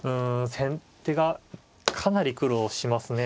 先手がかなり苦労しますね。